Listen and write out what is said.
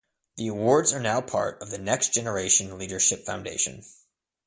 The Awards are now part of the Next Generation Leadership Foundation.